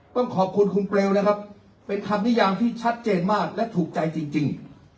ต้องขอบคุณคุณเปลวนะครับเป็นคำนิยามที่ชัดเจนมากและถูกใจจริง